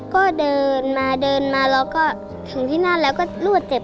ก็เดินมาแล้วถึงที่นั้นแล้วก็ลวดเจ็บเครื่อง